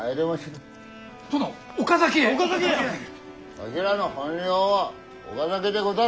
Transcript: わひらの本領は岡崎でござる。